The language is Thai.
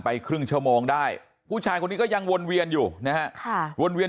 ครึ่งชั่วโมงได้ผู้ชายคนนี้ก็ยังวนเวียนอยู่นะฮะค่ะวนเวียน